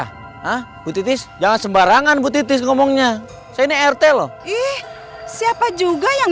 hai ah bu titus jangan sembarangan bu titus ngomongnya saya rt loh ih siapa juga yang